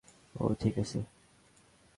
ও ঠিক আছে!